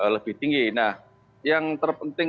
lebih tinggi nah yang terpenting